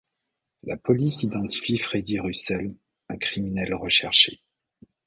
La police identifie Freddy Russell, un criminel recherché.